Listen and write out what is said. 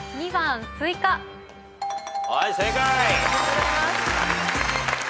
はい正解。